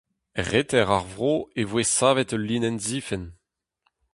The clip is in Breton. E reter ar vro e voe savet ul linenn zifenn.